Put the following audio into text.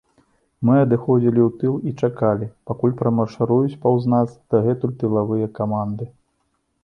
Мы адыходзілі ў тыл і чакалі, пакуль прамаршыруюць паўз нас дагэтуль тылавыя каманды.